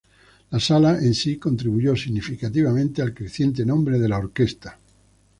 La sala en sí contribuyó significativamente al creciente nombre de la orquesta.